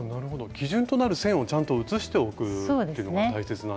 基準となる線をちゃんと写しておくっていうのが大切なんですね。